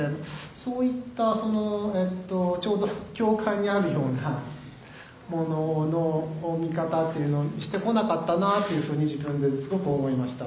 そういったそのちょうど境界にあるようなものの見方っていうのをしてこなかったなというふうに自分ですごく思いました。